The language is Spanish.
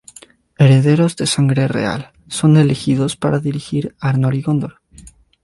Herederos de sangre real son elegidos para dirigir Arnor y Gondor.